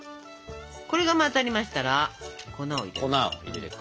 これが混ざりましたら粉を入れていきます。